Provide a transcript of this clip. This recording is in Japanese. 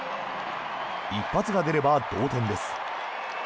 一発が出れば同点です。